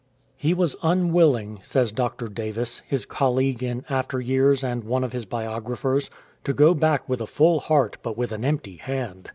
He was unwilling, says Dr. Davis, his colleague in after years and one of his biographers, '' to go back with a full heart but with an empty hand.""